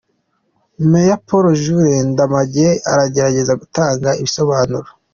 Mayor Paul Jules Ndamage aragerageza gutanga ibisobanuro.